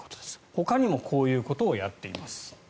ほかにもこういうことをやっています。